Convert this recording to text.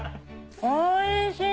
おいしい！